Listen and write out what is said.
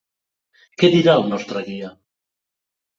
Què dirà, el nostre guia?